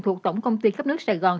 thuộc tổng công ty khắp nước sài gòn